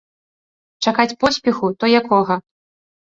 Чакаць поспеху, то якога?